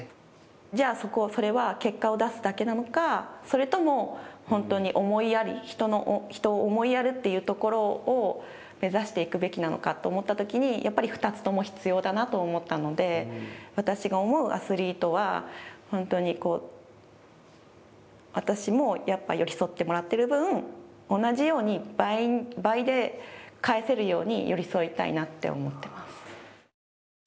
じゃあ、それは結果を出すだけなのかそれとも、本当に思いやる人を思いやるというところを目指していくべきなのかと思ったときにやっぱり２つとも必要だなと思ったので私が思うアスリートは本当に私もやっぱり寄り添ってもらってる分同じように倍で返せるように寄り添いたいなと思ってます。